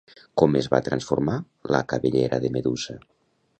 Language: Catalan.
Com es va transformar la cabellera de Medusa?